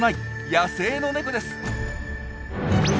野生のネコです。